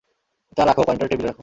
তা রাখো, কয়েনটা টেবিলে রাখো।